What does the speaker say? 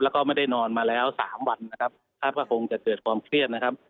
แล้วก็ไม่ได้นอนมาแล้วสามวันนะครับคาดว่าคงจะเกิดความเครียดนะครับ